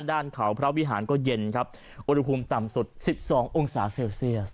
ด้านเขาพระวิหารก็เย็นครับอุณหภูมิต่ำสุด๑๒องศาเซลเซียส